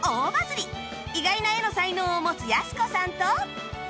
意外な絵の才能を持つやす子さんと